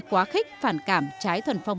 quá khích phản cảm trái thuần phong